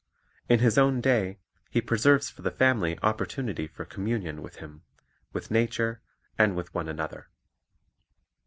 In His own day He preserves for the family opportunity for communion with Him, with nature, and with one another.